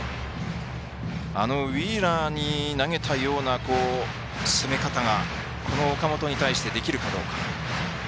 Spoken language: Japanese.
ウィーラーに投げたような攻め方がこの岡本に対してできるかどうか。